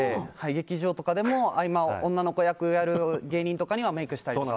劇場とかでも女の子役やる芸人にメイクしたりとか。